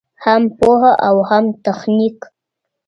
هم پوهه او هم تخنیک.